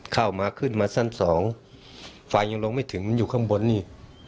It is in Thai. เข้ามาขึ้นมาสั้นสองไฟยังลงไม่ถึงมันอยู่ข้างบนนี่